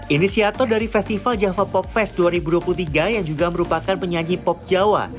inisiator dari festival java pop fest dua ribu dua puluh tiga yang juga merupakan penyanyi pop jawa